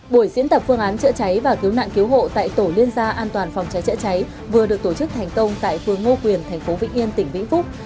buổi diễn tập phương án chữa cháy và cứu nạn cứu hộ tại tổ liên gia an toàn phòng cháy chữa cháy vừa được tổ chức thành công tại phường ngô quyền thành phố vĩnh yên tỉnh vĩnh phúc